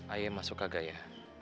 ayem masuk kagak ya